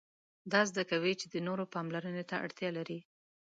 دا زده کوي چې د نورو پاملرنې ته اړتیا لري.